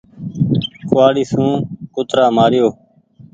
ڪوُوآڙي سون ڪترآ مآريو ۔